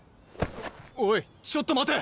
おいちょっと待て。